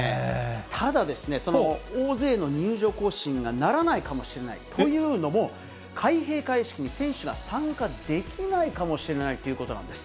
ただですね、その大勢の入場行進がならないかもしれない、というのも、開閉会式に選手が参加できないかもしれないということなんです。